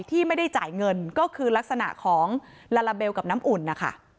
ที่ไม่ได้จ่ายเงินก็คือลักษณะของลาลาเบลกับน้ำอุ่นนะคะ